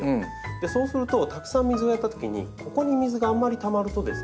そうするとたくさん水をやったときにここに水があんまりたまるとですね